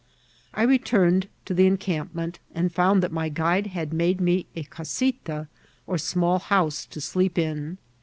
I returned to the encampment, and found that my gnide had made me a casita, or small house to sleep in.